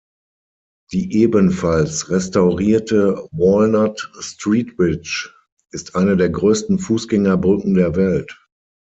Die ebenfalls restaurierte "Walnut Street Bridge" ist eine der größten Fußgängerbrücken der Welt.